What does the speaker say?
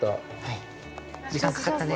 時間かかったね